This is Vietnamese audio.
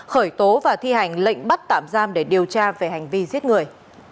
khởi tố và thi hành lệnh bắt tạm giam để điều tra về hành vi giết người